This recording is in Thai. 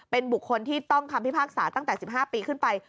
เป็นบุคคลที่ต้องคำพิพากษาตั้งแต่๑๕ปีขึ้นไป